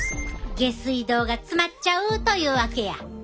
下水道が詰まっちゃうというわけや！